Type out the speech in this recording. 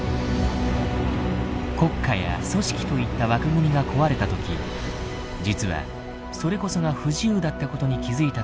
国家や組織といった枠組みが壊れた時実はそれこそが不自由だったことに気付いたというディメンス。